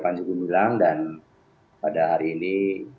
panjubu milang dan pada hari ini